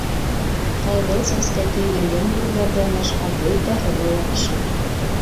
— Ҡыҙыл Сәскә көйҙөргән бүреләрҙән башҡа бөтәһе лә яҡшы.